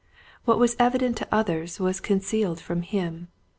What was evident to others was concealed from him.